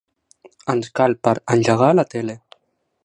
Ens cal per engegar la tele.